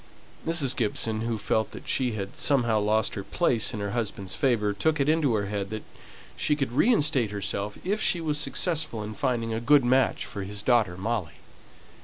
Mrs. Gibson, who felt that she had somehow lost her place in her husband's favour, took it into her head that she could reinstate herself if she was successful in finding a good match for his daughter Molly.